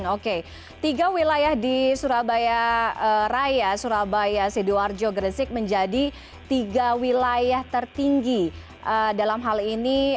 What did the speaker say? oke tiga wilayah di surabaya raya surabaya sidoarjo gresik menjadi tiga wilayah tertinggi dalam hal ini